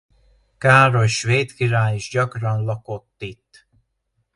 Károly svéd király is gyakran lakott itt.